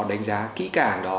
đánh giá kỹ cản đó